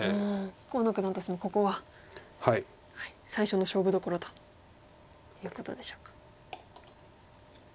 河野九段としてもここは最初の勝負どころということでしょうか。